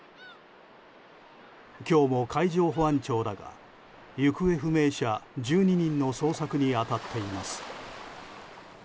今日も海上保安庁らが行方不明者１２人の捜索に当たっています。